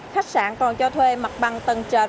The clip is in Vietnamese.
khách sạn còn cho thuê mặt bằng tầng trệt